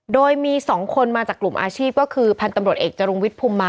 โดยมี๒คนมาจากกลุ่มอาชีพก็คือพันธุ์ตำรวจเอกจรุงวิทย์ภูมิมา